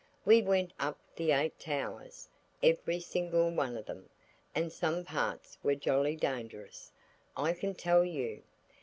We went up the eight towers, every single one of them, and some parts were jolly dangerous, I can tell you.